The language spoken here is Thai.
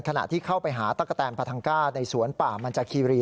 ขณะที่เข้าไปหาตะกะแตนพาทังก้าในสวนป่ามันจากคีรี